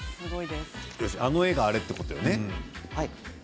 あの絵があれということだよね。